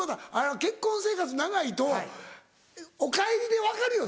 結婚生活長いと「おかえり」で分かるよな？